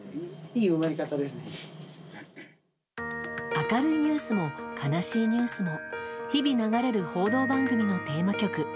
明るいニュースも悲しいニュースも日々流れる報道番組のテーマ曲。